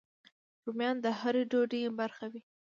رومیان د هر ډوډۍ برخه وي